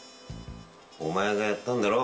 お前がやったんだろ？